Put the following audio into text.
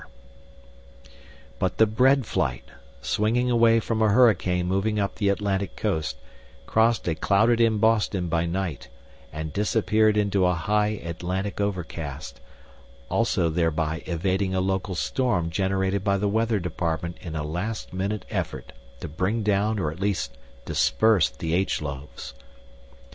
But the bread flight, swinging away from a hurricane moving up the Atlantic coast, crossed a clouded in Boston by night and disappeared into a high Atlantic overcast, also thereby evading a local storm generated by the Weather Department in a last minute effort to bring down or at least disperse the H loaves.